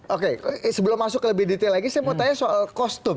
oke sebelum masuk ke lebih detail lagi saya mau tanya soal kostum